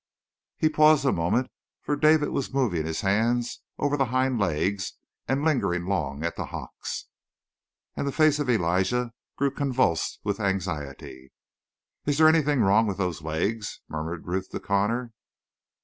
He paused a moment, for David was moving his hands over the hindlegs and lingering long at the hocks. And the face of Elijah grew convulsed with anxiety. "Is there anything wrong with those legs?" murmured Ruth to Connor.